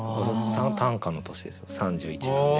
短歌の年ですよ３１なんで。